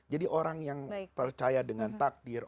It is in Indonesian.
jadi orang yang percaya dengan takdir